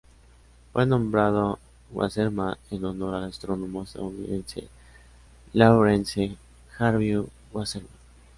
Fue nombrado Wasserman en honor al astrónomo estadounidense Lawrence Harvey Wasserman.